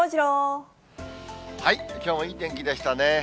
きょうもいい天気でしたね。